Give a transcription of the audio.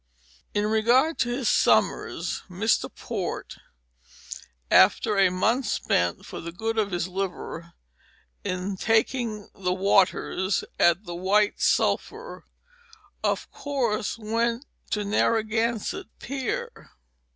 In regard to his summers, Mr. Port after a month spent for the good of his liver in taking the waters at the White Sulphur of course went to Narragan sett Pier.